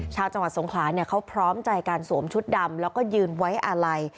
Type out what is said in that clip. ชาวจังหวัดสงขลาเนี่ยเขาพร้อมใจการสวมชุดดำแล้วก็ยืนไว้อาลัย